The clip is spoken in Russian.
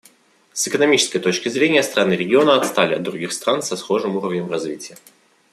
С экономической точки зрения страны региона отстали от других стран со схожим уровнем развития.